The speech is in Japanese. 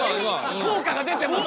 効果が出てます。